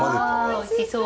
おいしそう。